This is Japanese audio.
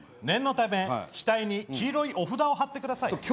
念のため額に黄色いお札を貼ってください。